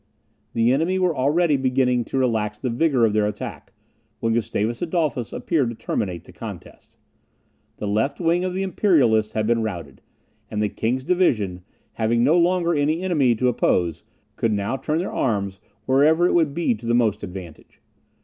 The enemy were already beginning to relax the vigour of their attack, when Gustavus Adolphus appeared to terminate the contest. The left wing of the Imperialists had been routed; and the king's division, having no longer any enemy to oppose, could now turn their arms wherever it would be to the most advantage.